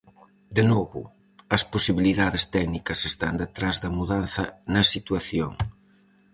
De novo, as posibilidades técnicas están detrás da mudanza na situación.